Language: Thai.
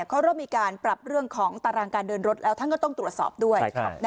เขาเริ่มมีการปรับเรื่องของตารางการเดินรถแล้วท่านก็ต้องตรวจสอบด้วย